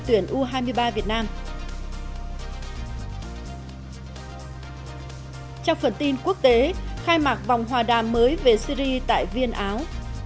trong phần tin quốc tế khai mạc vòng hòa đàm mới về syri tại viên áo